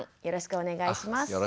よろしくお願いします。